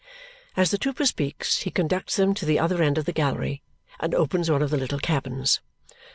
As the trooper speaks, he conducts them to the other end of the gallery and opens one of the little cabins.